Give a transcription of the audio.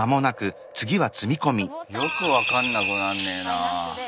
よく分かんなくなんねえな。